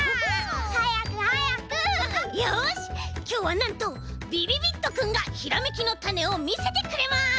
よしきょうはなんとびびびっとくんがひらめきのたねをみせてくれます！